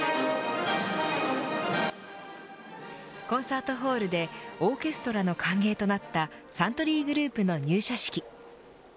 コンサートホールでオーケストラの歓迎となったサントリーグループの入社式。